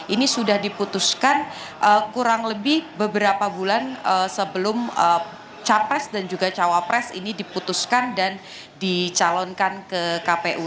ini sudah diputuskan kurang lebih beberapa bulan sebelum capres dan juga cawapres ini diputuskan dan dicalonkan ke kpu